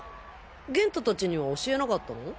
元太たちには教えなかったの？